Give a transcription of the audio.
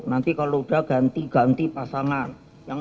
nanti kalau udah ganti ganti pasangan